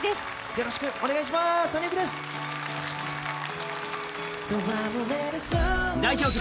よろしくお願いします。